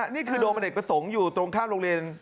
นี่คือโดมอเนกประสงค์อยู่ตรงข้ามโรงเรียน